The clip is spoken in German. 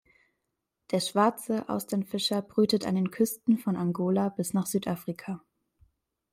Der Schwarze Austernfischer brütet an den Küsten von Angola bis nach Südafrika.